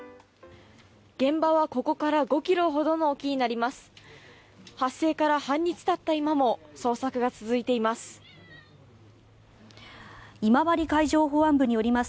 現場はここから５ｋｍほどの沖になります。